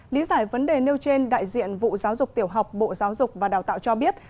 lý giải vấn đề nêu trên đại diện vụ giáo dục tiểu học bộ giáo dục và đào tạo cho biết